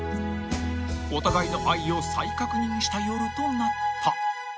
［お互いの愛を再確認した夜となった］